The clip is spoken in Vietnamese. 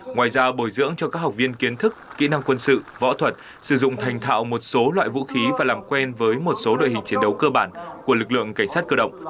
ngoài ra bồi dưỡng cho các học viên kiến thức kỹ năng quân sự võ thuật sử dụng thành thạo một số loại vũ khí và làm quen với một số đội hình chiến đấu cơ bản của lực lượng cảnh sát cơ động